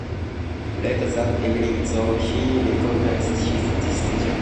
Later that evening, though, he reconsidered his decision.